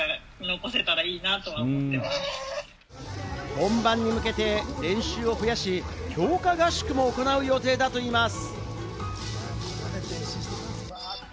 本番に向けて練習を増やし、強化合宿も行う予定だといいます。